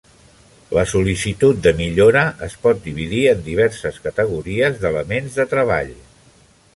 La sol·licitud de millora es pot dividir en diverses categories d'elements de treball.